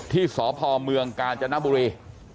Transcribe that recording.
ที่ศพเมืองกาจน้ำบุรี